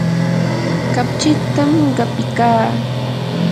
kapchitam qapikaa.